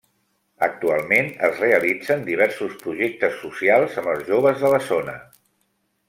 Actualment es realitzen diversos projectes socials amb els joves de la zona.